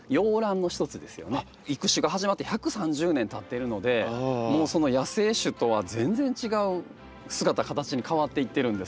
育種が始まって１３０年たってるのでもうその野生種とは全然違う姿形に変わっていってるんです。